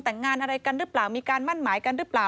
แต่งงานอะไรกันหรือเปล่ามีการมั่นหมายกันหรือเปล่า